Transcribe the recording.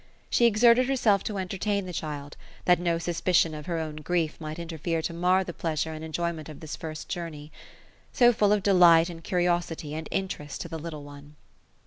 She exerted herself to entertain the child, that no suspicion of her own grief might interfere to mar the pleasure and enjoyment of this first journey, so full of delight and curi osity, and interest to the little one.